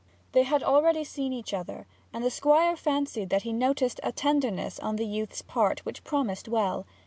They had already seen each other, and the Squire fancied that he noticed a tenderness on the youth's part which promised well.